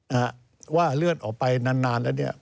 อ่าว่าเลื่อนออกไปนานแล้วเนี่ย